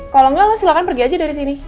kalau enggak lo silahkan pergi aja dari sini